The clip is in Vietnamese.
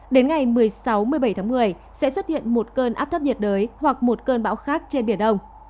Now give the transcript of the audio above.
đến ngày một mươi sáu một mươi bảy tháng một mươi sẽ xuất hiện một cơn áp thấp nhiệt đới hoặc một cơn bão khác trên biển đông